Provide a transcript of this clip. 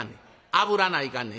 あぶらないかんねん。